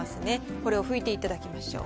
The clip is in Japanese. これを拭いていただきましょう。